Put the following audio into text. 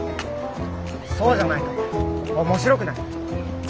そうじゃないと面白くない。